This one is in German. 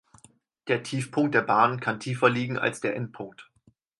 Der Tiefpunkt der Bahn kann tiefer liegen als der Endpunkt.